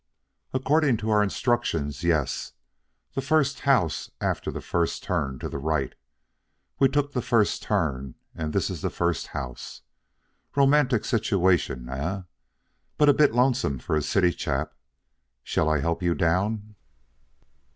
"According to our instructions, yes. The first house after the first turn to the right. We took the first turn, and this is the first house. Romantic situation, eh? But a bit lonesome for a city chap? Shall I help you down?"